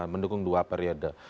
mendukung dua periode